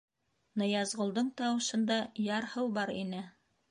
— Ныязғолдоң тауышында ярһыу бар ине.